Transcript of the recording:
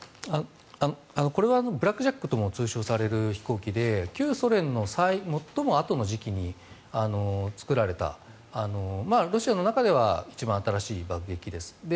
これはブラックジャックとも通称される飛行機で旧ソ連の最もあとの時期に作られたロシアの中では一番新しい爆撃機です。